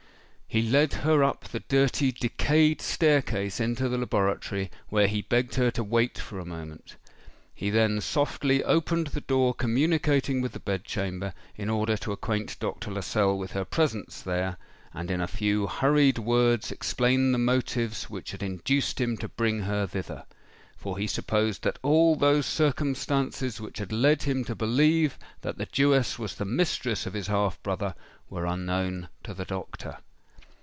He led her up the dirty, decayed staircase into the laboratory, where he begged her to wait for a moment. He then softly opened the door communicating with the bed chamber, in order to acquaint Dr. Lascelles with her presence there, and in a few hurried words explain the motives which had induced him to bring her thither; for he supposed that all those circumstances which had led him to believe that the Jewess was the mistress of his half brother, were unknown to the doctor.